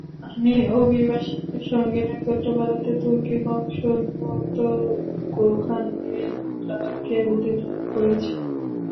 আমি অভিবাসীদের সঙ্গে নৈকট্য বাড়াতে তুর্কি বংশোদ্ভূত গোখান ইনলারকে অধিনায়ক করেছি।